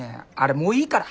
もういいから。